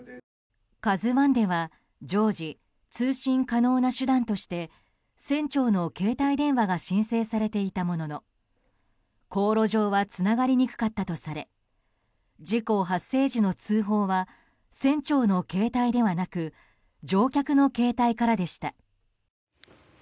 「ＫＡＺＵ１」では常時通信可能な手段として船長の携帯電話が申請されていたものの航路上はつながりにくかったとされ事故発生時の通報は船長の携帯ではなく乗客の携帯からでした。